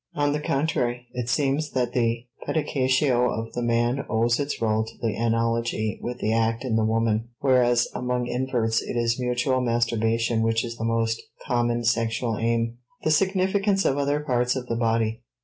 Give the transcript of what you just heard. On the contrary, it seems that the pedicatio of the man owes its rôle to the analogy with the act in the woman, whereas among inverts it is mutual masturbation which is the most common sexual aim. *The Significance of Other Parts of the Body.